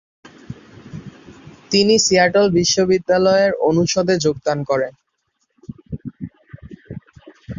তিনি সিয়াটল বিশ্ববিদ্যালয়ের অনুষদে যোগদান করেন।